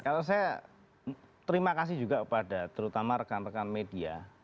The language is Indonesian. kalau saya terima kasih juga kepada terutama rekan rekan media